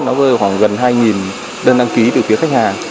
nó rơi vào khoảng gần hai đơn đăng ký từ phía khách hàng